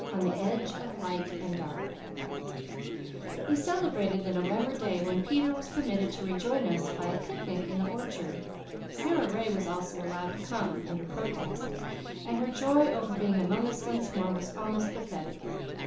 ON THE EDGE OF LIGHT AND DARK We celebrated the November day when Peter was permitted to rejoin us by a picnic in the orchard. Sara Ray was also allowed to come, under protest; and her joy over being among us once more was almost pathetic.